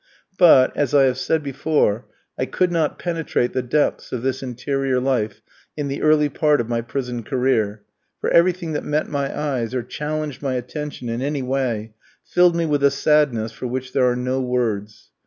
But, as I have said before, I could not penetrate the depths of this interior life in the early part of my prison career, for everything that met my eyes, or challenged my attention in any way, filled me with a sadness for which there are no words.